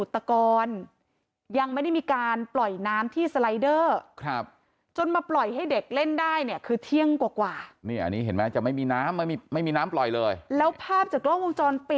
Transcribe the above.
ทางร้านมากก็เช่นกัน